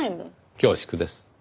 恐縮です。